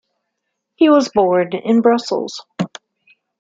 He was born in Brussels.